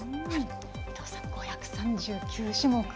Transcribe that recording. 伊藤さん、５３９種目。